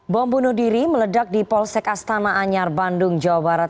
bom bunuh diri meledak di polsek astana anyar bandung jawa barat